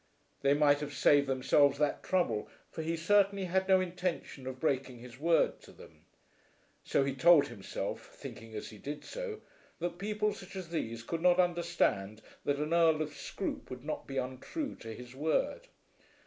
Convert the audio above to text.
They might have saved themselves that trouble, for he certainly had no intention of breaking his word to them. So he told himself, thinking as he did so, that people such as these could not understand that an Earl of Scroope would not be untrue to his word.